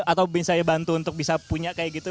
atau bisa dibantu untuk bisa punya kayak gitu